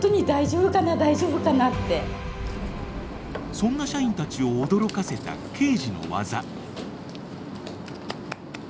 そんな社員たちを驚かせた圭司の技。